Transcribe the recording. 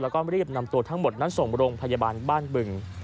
แล้วก็รีบนำตัวทั้งหมดนั้นส่งโรงพยาบาลบ้านบึง